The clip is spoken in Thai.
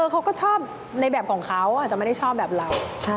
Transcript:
เขาก็ชอบในแบบของเขาอาจจะไม่ได้ชอบแบบเรา